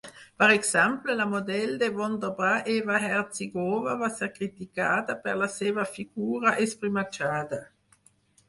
Per exemple, la model de Wonderbra Eva Herzigova va ser criticada per la seva figura esprimatxada.